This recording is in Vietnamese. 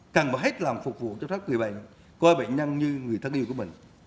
cần phải hết lòng phục vụ cho các người bệnh coi bệnh nhân như người thân yêu của mình